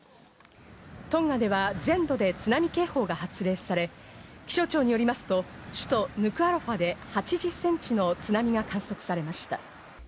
トンガでは全土で津波警報が発令され、気象庁によりますと、首都ヌクアロファで８０センチの津波が観測されました。